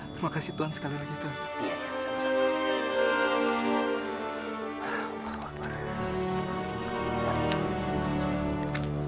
terima kasih tuhan sekali lagi tuh